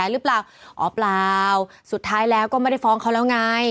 อ้อเปล่าสุดท้ายแล้วก็ไม่ฟ้องเขาแล้วไง